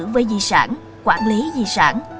với di sản quản lý di sản